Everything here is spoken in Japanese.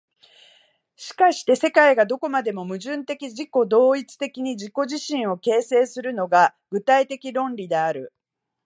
しかして世界がどこまでも矛盾的自己同一的に自己自身を形成するのが、具体的論理である。